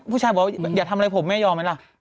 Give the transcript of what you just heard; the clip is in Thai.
ผู้ชายบอกว่าอย่าทำอะไรผมแม่ยอมไหมล่ะ